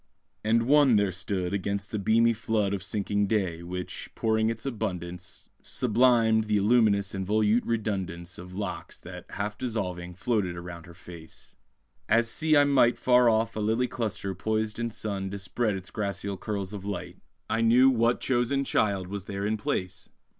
And one there stood Against the beamy flood Of sinking day, which, pouring its abundance, Sublimed the illuminous and volute redundance Of locks that, half dissolving, floated round her face; As see I might Far off a lily cluster poised in sun Dispread its gracile curls of light. I knew what chosen child was there in place!